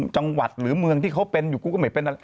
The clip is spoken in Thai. จังหวัดหรือเมืองที่เขาเป็นอยู่กูก็ไม่เป็นอะไร